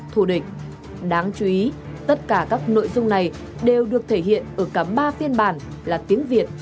thù địch đáng chú ý tất cả các nội dung này đều được thể hiện ở cả ba phiên bản là tiếng việt